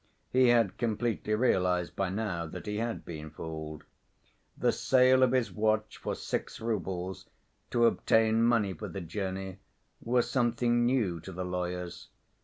(He had completely realized by now that he had been fooled.) The sale of his watch for six roubles to obtain money for the journey was something new to the lawyers.